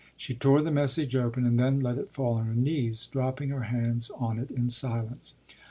She tore the message open, and then let it fall on her knees, dropping her hands on it in silence.